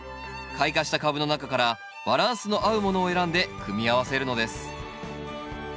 開花した株の中からバランスの合うものを選んで組み合わせるのです。